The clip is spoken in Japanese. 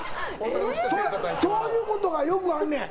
そういうことがよくあんねん。